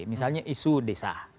misalnya isu desa